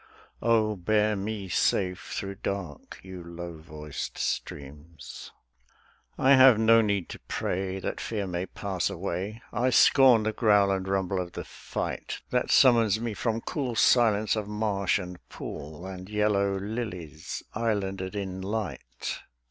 O bear me safe through dark, you low voiced streams. I have no need to pray That fear may pass away; I scorn the growl and rumble of the fight That summons me from cool Silence of marsh and pool, And yellow lilies islanded in light.